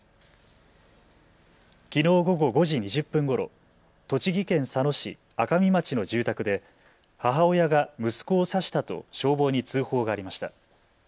きのう午後５時２０分ごろ、栃木県佐野市赤見町の住宅で母親が息子を刺したと消防に通報がありました。